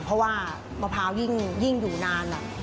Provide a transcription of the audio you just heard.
เพราะว่ามะพร้าวยิ่งอยู่นาน